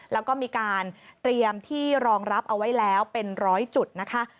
แล้วก็มีการเตรียมที่รองรับเอาไว้แล้วเป็นร้อยจุดนะคะ